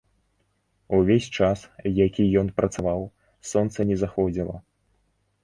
Увесь час, які ён працаваў, сонца не заходзіла.